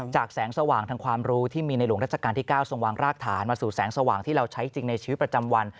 แสงสว่างทางความรู้ที่มีในหลวงราชการที่๙ทรงวางรากฐานมาสู่แสงสว่างที่เราใช้จริงในชีวิตประจำวัน